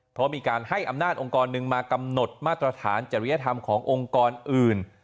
เพราะมีการให้อำนาจองค์กรหนึ่งมากำหนดมาตรฐานจริยธรรมขององค์กรอื่น